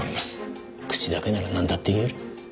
口だけならなんだって言える。